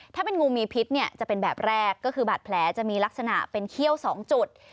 ถ้าเป็นงูมีพิษเนี่ยจะเป็นแบบแรกก็คือบาดแผลจะมีลักษณะเป็นเขี้ยว๒จุด